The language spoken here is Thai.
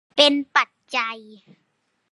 เป็นปัจจัย